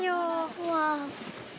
うわ。